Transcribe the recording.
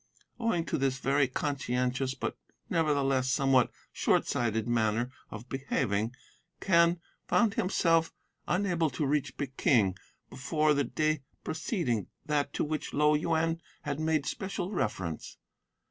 Owing to this very conscientious, but nevertheless somewhat short sighted manner of behaving, Quen found himself unable to reach Peking before the day preceding that to which Lo Yuen had made special reference.